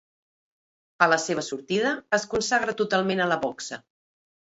A la seva sortida, es consagra totalment a la boxa.